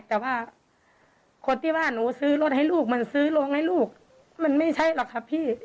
แต่ว่าคนที่ว่าหนูซื้อรถให้ลูกมันซื้อโรงให้ลูกมันไม่ใช่หรอกค่ะพี่